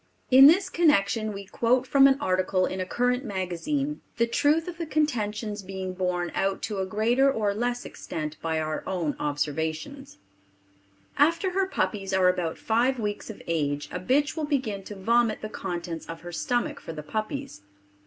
In this connection we quote from an article in a current magazine, the truth of the contentions being borne out to a greater or less extent by our own observations: After her puppies are about five weeks of age a bitch will begin to vomit the contents of her stomach for the puppies.